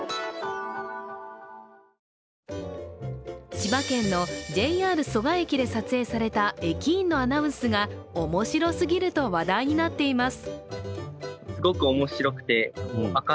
千葉県のＪＲ蘇我駅で撮影された駅員のアナウンスが面白すぎると話題になっています。